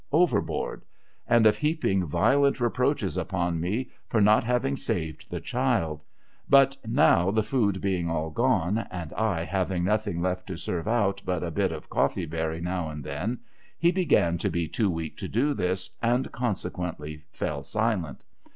overboard, and of heaping violent reproaches upon me for not having saved the child ; but now, the food being all gone, and I having nothing left to serve out but a bit of coffee berry now and then, he began to be too weak to do this, and conseciuently fell silent.